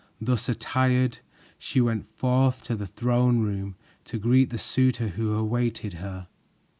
Thus attired, she went forth to the throne room to greet the suitor who awaited her.